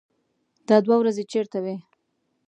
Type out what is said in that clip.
_دا دوې ورځې چېرته وې؟